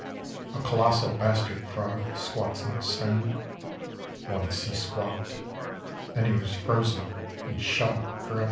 (A colossal bastard frog squats in stone. Once he squawked. Then he was frozen and shut up forever.)